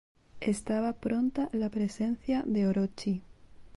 Estaba pronta la presencia de Orochi.